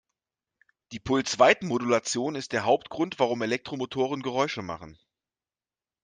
Die Pulsweitenmodulation ist der Hauptgrund, warum Elektromotoren Geräusche machen.